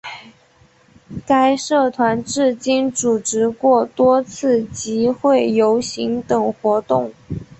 该社团至今组织过多次集会游行等活动。